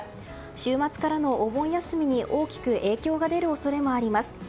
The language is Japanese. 週末からのお盆休みに大きく影響が出る可能性があります。